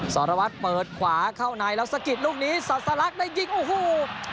สารวัตรเปิดขวาเข้าในแล้วสะกิดลูกนี้สอดสลักษ์ได้ยิงโอ้โห